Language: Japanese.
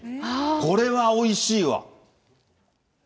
これはおいしいわ。